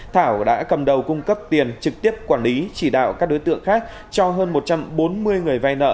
thảo đã cầm đầu cung cấp tiền trực tiếp quản lý chỉ đạo các đối tượng khác cho hơn một trăm bốn mươi người vay nợ